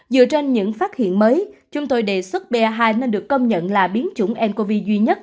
dựa trên những phát hiện mới chúng tôi đề xuất ba hai nên được công nhận là biến chủng ncov duy nhất